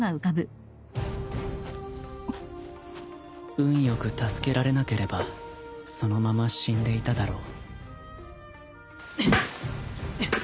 運よく助けられなければそのまま死んでいただろう